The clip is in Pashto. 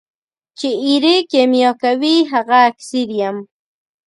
چي ایرې کېمیا کوي هغه اکسیر یم.